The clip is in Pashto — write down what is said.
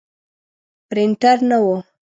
پرنټر نه و.